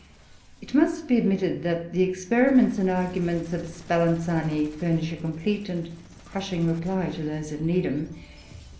It must be admitted that the experiments and arguments of Spallanzani furnish a complete and a crushing reply to those of Needham.